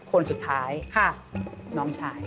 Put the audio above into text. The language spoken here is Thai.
คนสุดท้ายน้องชาย